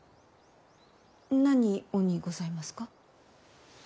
何をにございますか？